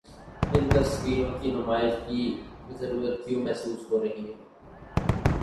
ان تصویروں کی نمائش کی ضرورت کیوں محسوس ہو رہی ہے؟